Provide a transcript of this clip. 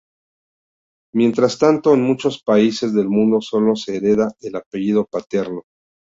Mientras tanto, en muchos países del mundo sólo se hereda el apellido paterno.